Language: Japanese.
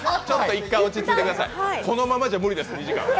１回落ち着いてください、このままじゃ無理です、２時間。